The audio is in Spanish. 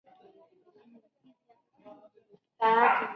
Ha sido candidata a los premios Óscar y a los Globo de Oro.